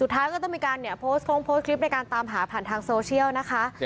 สุดท้ายก็ต้องมีการเนี่ยโพสต์คลิปในการตามหาผ่านทางโซเชียลนะคะ